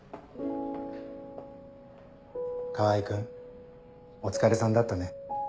川合君お疲れさんだったね。